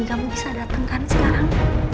kamu bisa dateng kan sekarang